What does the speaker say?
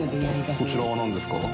こちらは何ですか？